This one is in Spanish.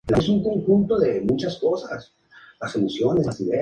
Su alcalde es Jackson Cinco Dy.